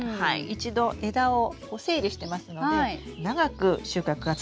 一度枝を整理してますので長く収穫が続いていますね。